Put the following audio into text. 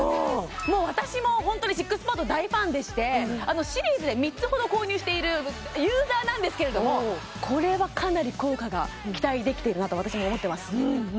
もう私も本当にＳＩＸＰＡＤ大ファンでしてシリーズで３つほど購入しているユーザーなんですけれどもこれはかなり効果が期待できているなと私も思ってます